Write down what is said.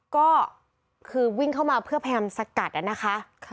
ก็คือวิ่งเข้ามาเพื่อพยายามสกัดนะคะ